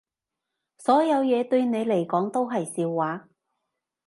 所有嘢對你嚟講都係笑話